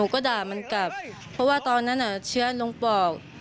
เพราะว่าตอนนั้นเชื้อลงปอก